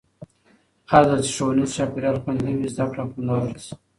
هرځل چې ښوونیز چاپېریال خوندي وي، زده کړه خوندوره شي.